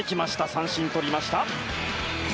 三振取りました。